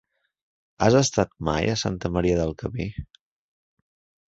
Has estat mai a Santa Maria del Camí?